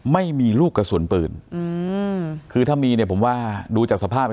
ไม่มีลูกกระสุนปืนอืมคือถ้ามีเนี่ยผมว่าดูจากสภาพแล้ว